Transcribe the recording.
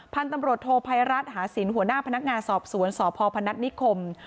พันธุ์ตำรวจโทภัยรัฐหาสินหัวหน้าพนักงานสอบสวนสพพนัฐนิคม